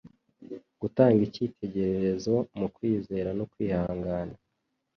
gutanga icyitegererezo mu kwizera no kwihana.